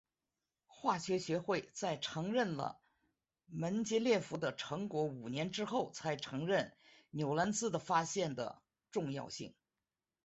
化学学会在承认了门捷列夫的成果五年之后才承认纽兰兹的发现的重要性。